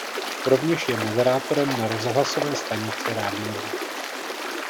Rovněž je moderátorem na rozhlasové stanici Radio Beat.